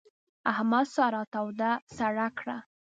احمد سارا توده سړه کړه.